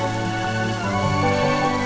aku ingin tahu tentang geliyor tata